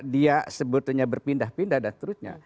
dia sebetulnya berpindah pindah dan seterusnya